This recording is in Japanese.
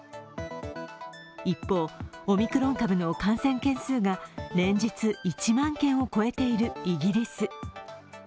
一方、オミクロン株の感染件数が連日１万件を超えているイギリス。